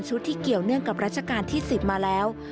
ที่เกี่ยวเนื่องกับรัชกาลที่๑๐มาแล้ว